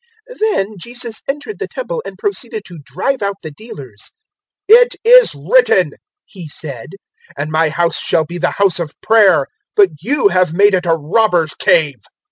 019:045 Then Jesus entered the Temple and proceeded to drive out the dealers. 019:046 "It is written," He said, "`And My house shall be the House of Prayer,' but you have made it a robbers' cave."